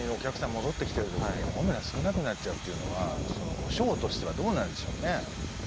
戻ってきてる時にホームラン少なくなっちゃうっていうのはショーとしてはどうなんでしょうね？